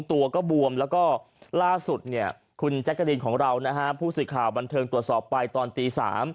ตัวก็บวมแล้วก็ล่าสุดคุณแจ๊คกระดินของเราผู้สิตข่าวบรรเทิงตัวสอบไปตอนตี๓